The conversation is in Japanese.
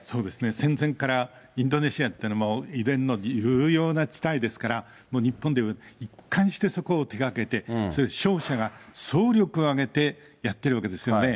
戦前からインドネシアっていうのは油田の有用な地帯ですから、もう日本で一貫してそこを手がけて、商社が総力を挙げてやってるわけですよね。